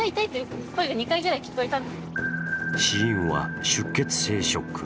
死因は出血性ショック。